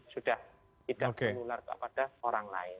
sudah tidak menular kepada orang lain